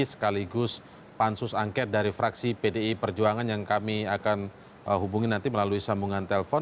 sekaligus pansus angket dari fraksi pdi perjuangan yang kami akan hubungi nanti melalui sambungan telpon